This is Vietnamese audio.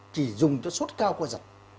chỉ dùng cho suốt cao qua giật